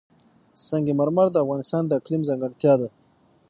سنگ مرمر د افغانستان د اقلیم ځانګړتیا ده.